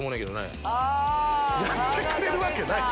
やってくれるわけない！